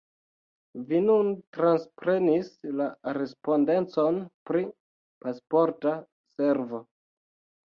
Vi nun transprenis la respondecon pri Pasporta Servo.